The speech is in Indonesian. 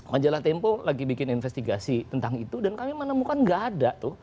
majalah tempo lagi bikin investigasi tentang itu dan kami menemukan nggak ada tuh